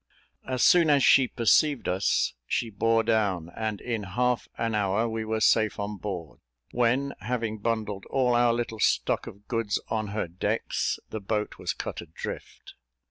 As soon as she perceived us, she bore down, and in half an hour we were safe on board; when having bundled all our little stock of goods on her decks, the boat was cut adrift.